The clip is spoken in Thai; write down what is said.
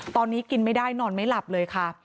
ตอนนี้กินไม่ได้นอนไม่หลับเลยค่ะ